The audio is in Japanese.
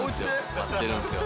待ってるんですよ。